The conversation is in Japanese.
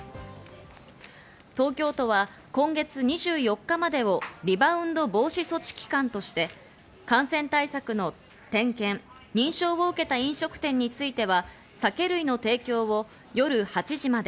東京都は今月２４日までをリバウンド防止措置期間として感染対策の点検・認証を受けた飲食店については酒類の提供を夜８時まで。